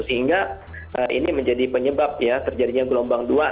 sehingga ini menjadi penyebab ya terjadinya gelombang dua